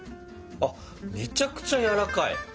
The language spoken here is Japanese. あっめちゃくちゃやわらかい！ね。